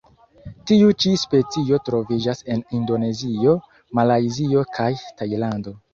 Tiu ĉi specio troviĝas en Indonezio, Malajzio kaj Tajlando.